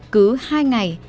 cứ hai ngày